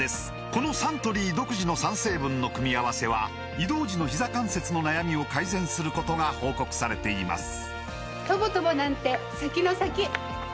このサントリー独自の３成分の組み合わせは移動時のひざ関節の悩みを改善することが報告されています